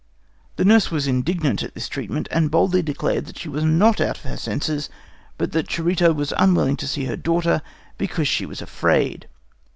The nurse was indignant at this treatment, and boldly declared that she was not out of her senses, but that Charito was unwilling to see her daughter because she was afraid.